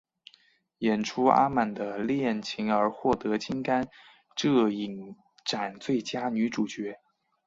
演出阿满的恋情而获得金甘蔗影展最佳女主角。